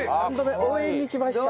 応援に来ました。